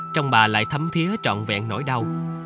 trong bà lại thấm thiế trọn vẹn nỗi đau